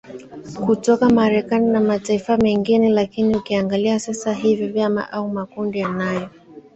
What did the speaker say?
kutoka marekani na mataifa mengine lakini ukiangalia sasa hivyo vyama au makundi yanayo